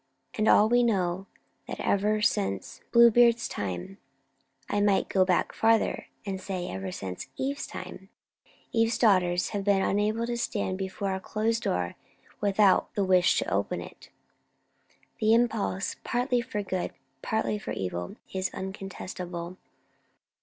And we all know, that ever since Bluebeard's time I might go back further, and say, ever since Eve's time Eve's daughters have been unable to stand before a closed door without the wish to open it. The impulse, partly for good, partly for evil, is incontestable.